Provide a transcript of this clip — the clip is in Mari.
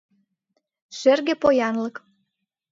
Шерге поянлык